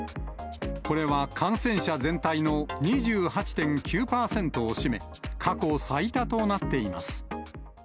これは感染者全体の２８．９％を占め、過去最多となっています。